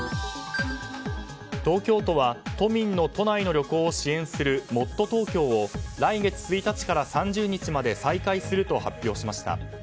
東京都は都民の都内の旅行を支援するもっとＴｏｋｙｏを来月１日から３０日まで再開すると発表しました。